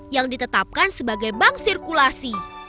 yang ditetapkan sebagai bank sirkulasi